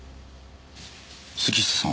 杉下さん。